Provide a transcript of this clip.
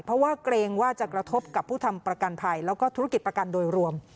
เพราะว่าเกรงว่าจะกระทบกับผู้ทำประกันภัยแล้วก็ธุรกิจประกันโดยรวม